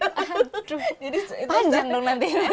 panjang dong nanti